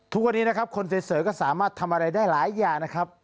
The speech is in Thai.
ทุกวันนี้นะครับคนสวยก็สามารถทำอะไรได้หลายอย่างนะครับ